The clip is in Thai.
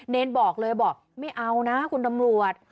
เนรบอกเลยบอกไม่เอานะคุณตำรวจ